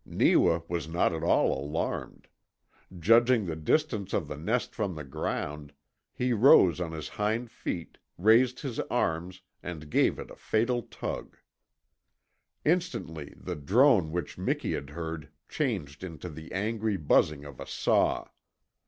Neewa was not at all alarmed; judging the distance of the nest from the ground, he rose on his hind feet, raised his arms, and gave it a fatal tug. Instantly the drone which Miki had heard changed into the angry buzzing of a saw.